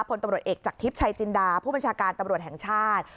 พลตำรวจเอกจากทิพย์ชัยจินดาผู้บัญชาการตำรวจแห่งชาติ